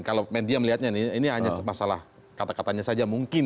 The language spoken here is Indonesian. kalau media melihatnya ini hanya masalah kata katanya saja mungkin